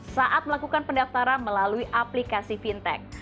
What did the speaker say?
saat melakukan pendaftaran melalui aplikasi fintech